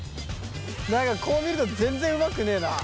何かこう見ると全然うまくねえな。